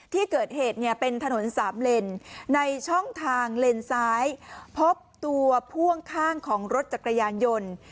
ที่เกิดเหตุเนี่ยเป็นถนนสามเลนในช่องทางเลนซ้ายพบตัวพ่วงข้างของรถจักรยานยนต์